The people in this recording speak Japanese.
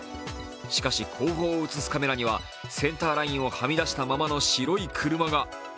しかし後方を映すカメラにはセンターラインをはみ出したままの白い車が。